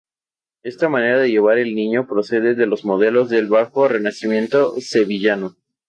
Esta manera de llevar el Niño procede de los modelos del bajo Renacimiento sevillano.